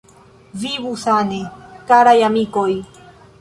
Vivu sane, karaj amikoj!